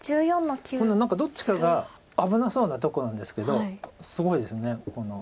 何かどっちかが危なそうなとこなんですけどすごいですここの。